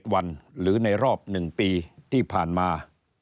วันหรือในรอบ๑ปีที่ผ่านมา